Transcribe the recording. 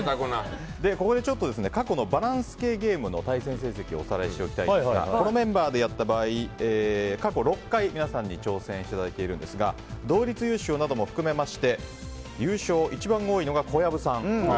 ここで過去のバランス系ゲームの対戦成績をおさらいしておきたいんですがこのメンバーでやった場合過去６回皆さんに挑戦していただいてるんですが同率優勝なども含めて優勝が一番多いのが小籔さん。